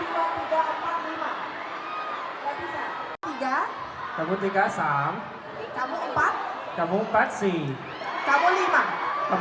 ไม่ต้องไปข้างล่างต้องไปข้างล่าง